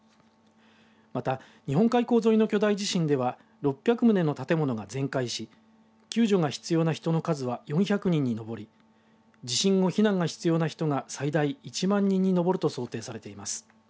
また日本海溝沿いの巨大地震では６００棟の建物が全壊し救助が必要な人の数は４００人に上り地震後、避難が必要な人が最大１万に上ると想定されています。